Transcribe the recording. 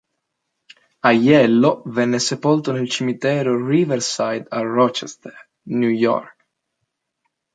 Aiello venne sepolto nel cimitero Riverside a Rochester, New York.